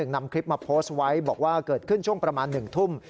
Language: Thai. นำคลิปมาโพสต์ไว้บอกว่าเกิดขึ้นช่วงประมาณ๑ทุ่ม